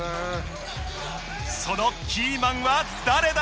そのキーマンは誰だ？